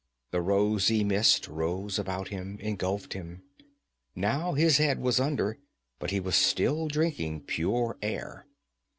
The rosy mist rose about him, engulfed him. Now his head was under, but he was still drinking pure air.